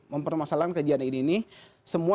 mempermasalahkan kejadian ini semua